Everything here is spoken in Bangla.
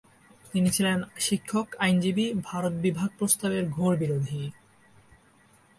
তিনি ছিলেন শিক্ষক, আইনজীবী, ভারতবিভাগ প্রস্তাবের ঘোরবিরোধী।